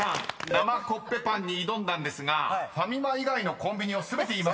生コッペパンに挑んだんですが「ファミマ」以外のコンビニを全て言いましたね］